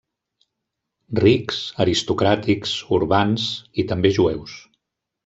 Rics, aristocràtics, urbans… i també jueus.